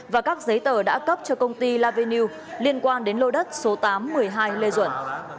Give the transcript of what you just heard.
và các giấy tờ đã cấp cho công ty lavenuk liên quan đến lô đất số tám trăm một mươi hai lê duẩn